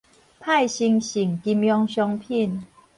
派生性金融商品